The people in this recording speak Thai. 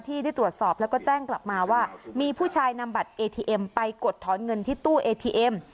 ที่ได้ตรวจสอบแล้วก็แจ้งกลับมาว่ามีผู้ชายนำบัตรเอทีเอ็มไปกดถอนเงินที่ตู้เอทีเอ็ม